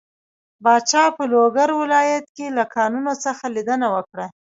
پاچا په لوګر ولايت له کانونو څخه ليدنه وکړه.